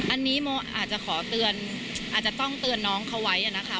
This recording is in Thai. อันนี้โมอาจจะขอเตือนอาจจะต้องเตือนน้องเขาไว้นะคะ